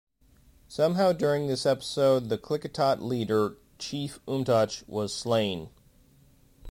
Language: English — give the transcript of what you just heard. Somehow during this episode the Klickitat leader, Chief Umtuch, was slain.